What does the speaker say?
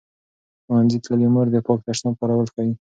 ښوونځې تللې مور د پاک تشناب کارول ښيي.